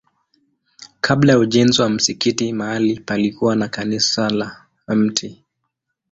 Kabla ya ujenzi wa msikiti mahali palikuwa na kanisa la Mt.